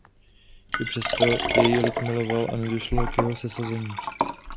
I přesto jej lid miloval a nedošlo k jeho sesazení.